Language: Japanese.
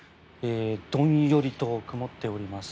どんよりと曇っております。